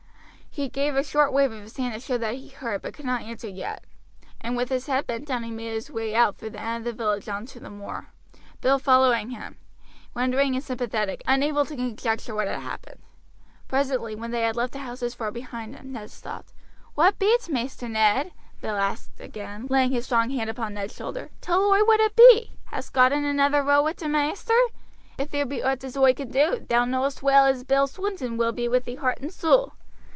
He gave a short wave of his hand to show that he heard, but could not answer yet, and with his head bent down made his way out through the end of the village on to the moor Bill following him, wondering and sympathetic, unable to conjecture what had happened. Presently, when they had left the houses far behind them, Ned stopped. "What be't, Maister Ned?" Bill again asked, laying his strong hand upon Ned's shoulder; "tell oi what it be. Hast got in another row with t' maister? If there be owt as oi can do, thou knowest well as Bill Swinton be with thee heart and soul."